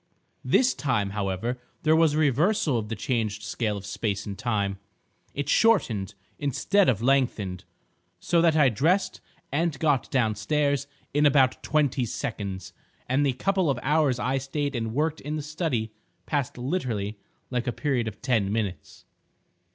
This time, however, there was a reversal of the changed scale of space and time; it shortened instead of lengthened, so that I dressed and got downstairs in about twenty seconds, and the couple of hours I stayed and worked in the study passed literally like a period of ten minutes."